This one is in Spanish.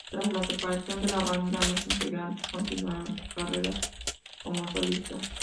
Tras la separación de la banda, los integrantes continuaron sus carreras como solistas.